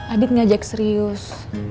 adit ngajak serius